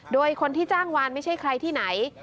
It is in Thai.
โดยคนที่จ้างวานไม่ใช่ใครที่ไหน